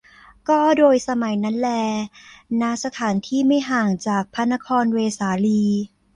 ก็โดยสมัยนั้นแล ณ สถานที่ไม่ห่างจากพระนครเวสาลี